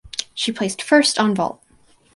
She placed first on vault.